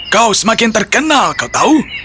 kau semakin terkenal kau tahu